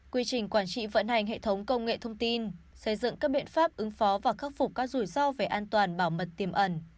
quy trình quản trị vận hành hệ thống công nghệ thông tin xây dựng các biện pháp ứng phó và khắc phục các rủi ro về an toàn bảo mật tiềm ẩn